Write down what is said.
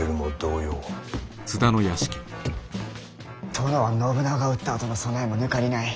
殿は信長を討ったあとの備えもぬかりない。